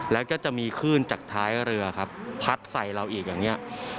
แล้วก็จะมีคลื่นจากท้ายเรือครับพัดใส่เราอีกอย่างนี้